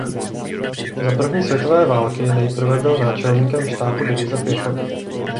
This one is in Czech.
Za první světové války nejprve byl náčelníkem štábu divize pěchoty.